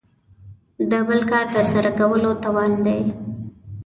د بل کار تر سره کولو توان دی.